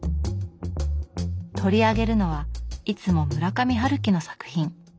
取り上げるのはいつも村上春樹の作品。